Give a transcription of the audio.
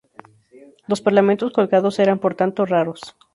Los parlamentos colgados eran por tanto raros.